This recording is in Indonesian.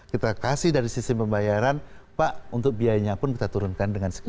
kita kasih dari sisi pembayaran pak untuk biayanya pun kita turunkan dengan sekian